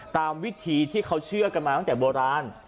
ตามวิธีที่เขาเชื่อกันมาตั้งแต่โบราณ